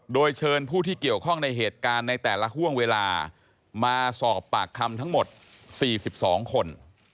โดยเชิญผู้ที่เกี่ยวข้องในเหตุการณ์ในแต่ละห่วงเวลามาสอบปากคำทั้งหมด๔๒คน